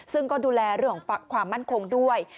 ซึ่งก็ดูแลเรื่องของความมั่นคงด้วย